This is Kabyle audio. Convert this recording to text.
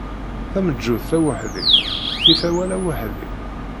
Tameǧǧut taweḥdit tif awal aweḥdi.